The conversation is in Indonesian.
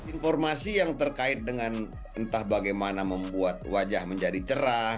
informasi yang terkait dengan entah bagaimana membuat wajah menjadi cerah